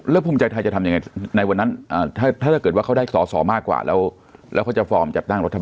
แล้วภูมิใจไทยจะทำยังไงในวันนั้นถ้าเกิดว่าเขาได้สอสอมากกว่าแล้วเขาจะฟอร์มจัดตั้งรัฐบาล